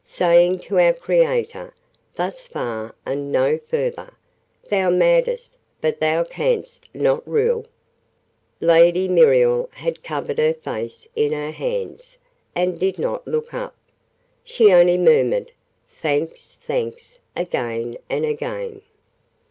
Saying, to our Creator, 'Thus far and no further. Thou madest, but thou canst not rule!'?" Lady Muriel had covered her face in her hands, and did not look up. She only murmured "Thanks, thanks!" again and again.